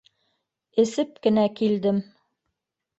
Эсеп кенә килдем.